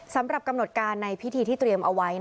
สำหรับกำหนดการในพิธีที่เตรียมเอาไว้